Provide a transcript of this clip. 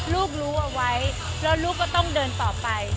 ลูกรู้เอาไว้ลูกก็ต้องเดินไป